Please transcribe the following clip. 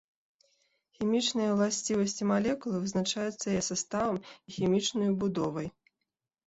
Хімічныя ўласцівасці малекулы вызначаюцца яе саставам і хімічнаю будовай.